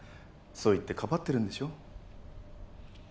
そう言ってかばってるんでしょ？